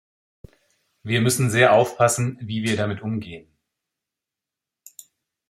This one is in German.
Wir müssen sehr aufpassen, wie wir damit umgehen.